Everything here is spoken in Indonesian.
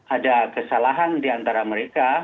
ada kesalahan di antara mereka